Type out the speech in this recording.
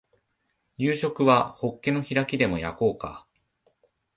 夕食はホッケの開きでも焼こうか